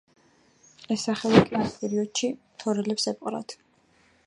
ეს სახელო კი ამ პერიოდში თორელებს ეპყრათ.